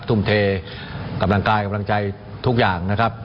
ทุ่มเทกำลังกายกำลังใจทุกอย่างนะครับ